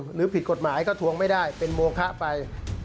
หรือผิดกฎหมายก็ทวงไม่ได้เป็นโมคะไป